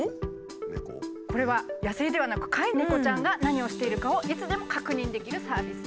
これは野生ではなく飼い猫ちゃんが何をしているかをいつでも確認できるサービスです。